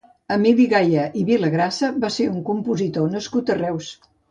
Emili Gaya i Vilagrassa va ser un compositor nascut a Reus.